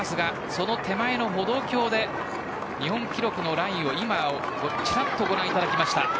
その手前の歩道橋で日本記録のラインをご覧いただきました。